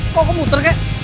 kok kamu muter kek